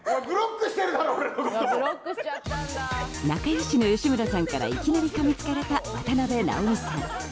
仲良しの吉村さんからいきなり、かみつかれた渡辺直美さん。